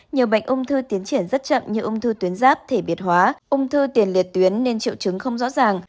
nhiều bệnh ung thư tiến triển rất chậm như ung thư tuyến ráp thể biệt hóa ung thư tiền liệt tuyến nên triệu chứng không rõ ràng